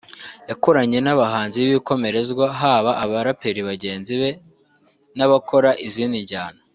yakoranye n’abahanzi b’ibikomerezwa haba abaraperi bagenzi be n’abakora izindi njyana